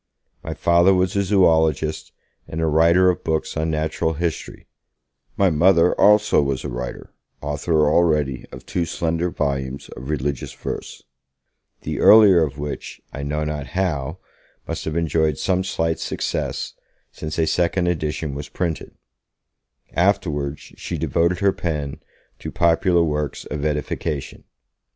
My Father was a zoologist, and a writer of books on natural history; my Mother also was a writer, author already of two slender volumes of religious verse the earlier of which, I know not how, must have enjoyed some slight success, since a second edition was printed afterwards she devoted her pen to popular works of edification.